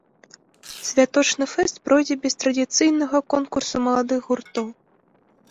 Святочны фэст пройдзе без традыцыйнага конкурсу маладых гуртоў.